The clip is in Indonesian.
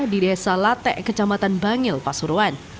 di desa late kecamatan bangil pasuruan